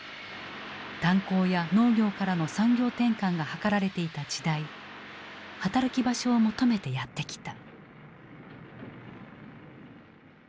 炭鉱や農業からの産業転換が図られていた時代働き場所を求めてやって来た。